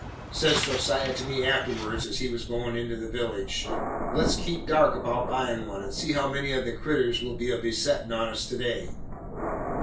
Says Josiah to me afterwards, as we was goin' down into the village: "Let's keep dark about buyin' one, and see how many of the creeters will be a besettin' on us to day."